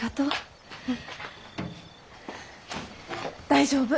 大丈夫。